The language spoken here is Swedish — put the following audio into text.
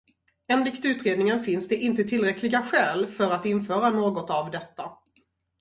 Enligt utredningen finns det inte tillräckliga skäl för att införa något av detta.